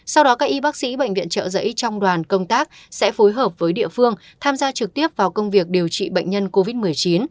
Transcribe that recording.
sau đó các y bác sĩ bệnh viện trợ giấy trong đoàn công tác sẽ phối hợp với địa phương tham gia trực tiếp vào công việc điều trị bệnh nhân covid một mươi chín